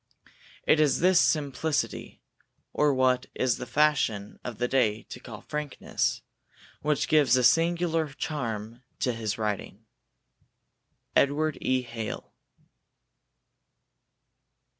It is this simplicity, or what it is the fashion of the day to call frankness, which gives a singular charm to his writing. EDWARD E. HALE.